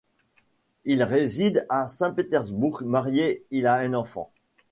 Il réside à Saint-Pétersbourg, marié il a un enfant.